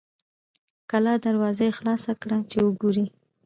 کلا دروازه یې خلاصه کړه چې وګوري.